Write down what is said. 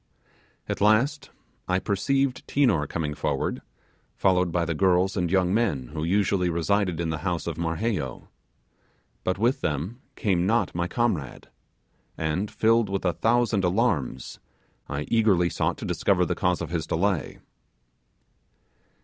At last, I perceived Tinor coming forward, followed by the girls and young men who usually resided in the house of Marheyo; but with them came not my comrade, and, filled with a thousand alarms, I eagerly sought to discover the cause of his delay.